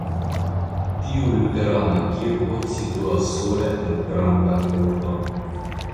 Tiu luterana kirko situas sola en granda korto.